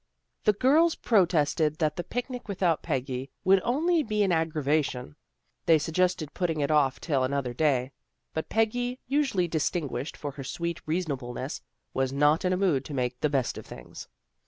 The girls protested that the picnic without Peggy would only be an aggra vation. They suggested putting it off till an other day. But Peggy, usually distinguished for her sweet reasonableness, was not in a mood to make the best of things.